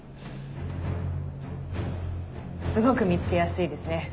すごく見つけやすいですね。